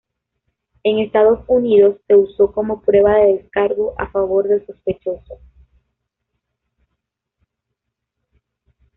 En Estados Unidos se usó como prueba de descargo a favor del sospechoso.